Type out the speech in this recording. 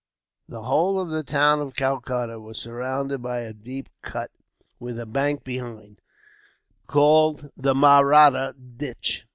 The whole of the town of Calcutta was surrounded by a deep cut, with a bank behind, called the Mahratta Ditch.